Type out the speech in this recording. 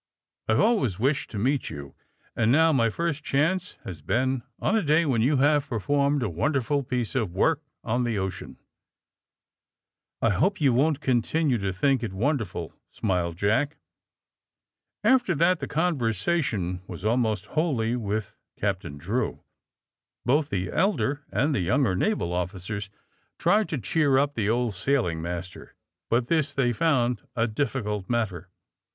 *'I have always wished to meet you, and now my first chance has been on a day when you have performed a wonderful piece of work on the ocean." *^I hope you won't continue to think it won derful," smiled Jack. After that the conversation was almost wholly with Captain Drew. Both the elder and the younger naval officers tried to cheer up the old sailing master, but this they found a difficult matter.